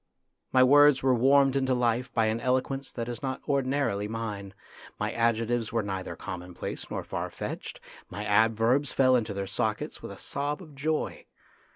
My words were warmed into life by an eloquence that is not ordinarily mine, my adjectives were neither common place nor far fetched, my adverbs fell into their sockets with a sob of joy.